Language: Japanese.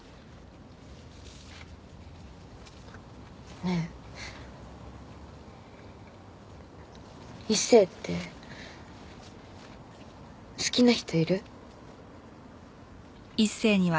ねえ一星って好きな人いる？